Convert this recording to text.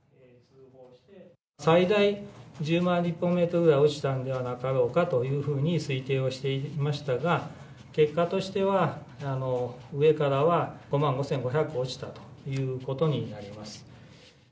最大１０万立方メートルぐらい落ちたのではなかろうかというように推定はしていましたが、結果としては、上からは５万５５００落ちたということになります。